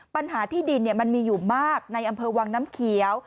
ปัญหาที่ดินมันมีอยู่มากในอำเภอวังน้ำเขียว